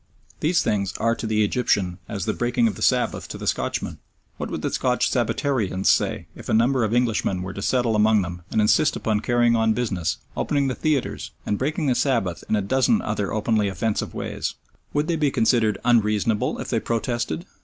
These things are to the Egyptian as the breaking of the Sabbath to the Scotchman. What would the Scotch Sabbatarians say if a number of Englishmen were to settle among them, and insist upon carrying on business, opening the theatres, and breaking the Sabbath in a dozen other openly offensive ways? Would they be considered "unreasonable" if they protested?